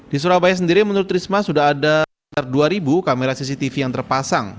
di surabaya sendiri menurut risma sudah ada dua ribu kamera cctv yang terpasang